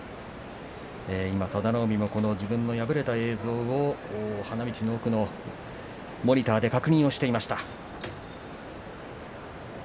佐田の海も自分が敗れた映像を花道の奥のモニターで確認をしていました。